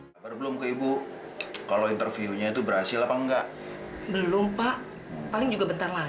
sampai jumpa di video selanjutnya